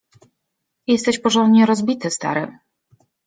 „Jesteś porządnie rozbity, stary.